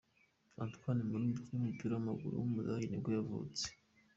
Anton Müller, umukinnyi w’umupira w’amaguru w’umudage nibwo yavutse.